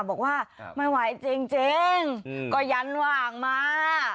บอกว่าไม่ไหวจริงก็ยันหว่างมา